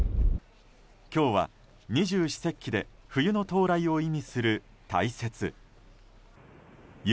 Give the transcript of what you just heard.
今日は二十四節気で冬の到来を意味する大雪。